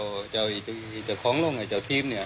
เจ้าเจ้าของลงไอ้เจ้าทีมเนี่ย